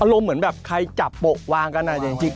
เหมือนแบบใครจับโปะวางกันจริง